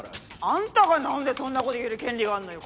あんたがなんでそんなこと言える権利があんのよ！？